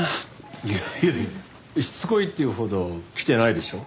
いやいやいやしつこいって言うほど来てないでしょ。